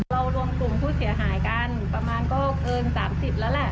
รวมกลุ่มผู้เสียหายกันประมาณก็เกิน๓๐แล้วแหละ